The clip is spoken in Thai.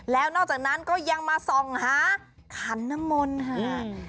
แล้วนอกจากนั้นก็ยังมาส่องหาขันน้ำมนต์ค่ะ